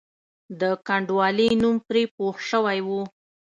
د کنډوالې نوم پرې پوخ شوی وو.